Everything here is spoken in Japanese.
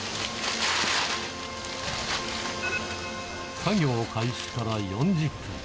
作業開始から４０分。